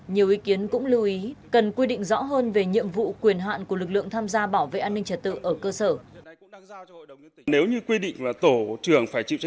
nhiều ý kiến cũng lưu ý cần quy định rõ hơn về nhiệm vụ quyền hạn của lực lượng tham gia bảo vệ an ninh trật tự ở cơ sở